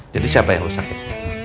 jadi siapa yang rusakin